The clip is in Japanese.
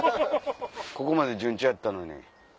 ここまで順調やったのに。